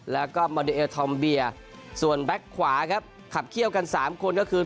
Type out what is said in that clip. แล้วก็มาดีเอลทอมเบียส่วนแบ็คขวาครับขับเขี้ยวกัน๓คนก็คือ